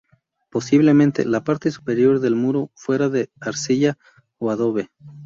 Posiblemente, la parte superior del muro fuera de arcilla o adobe.